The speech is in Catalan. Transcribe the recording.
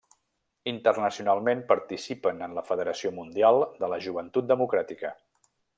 Internacionalment, participen en la Federació Mundial de la Joventut Democràtica.